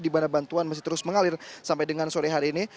di mana bantuan masih terus mengalir sampai dengan sore hari ini